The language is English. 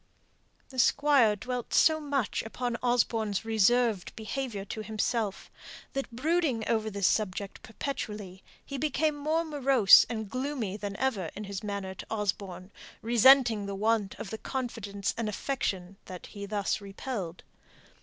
The Squire dwelt so much upon Osborne's reserved behaviour to himself, that brooding over this one subject perpetually he became more morose and gloomy than ever in his manner to Osborne, resenting the want of the confidence and affection that he thus repelled.